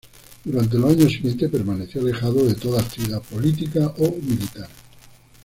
Durante los años siguientes, permaneció alejado de toda actividad política o militar.